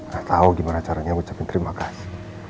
gak tau gimana caranya ucapin terima kasih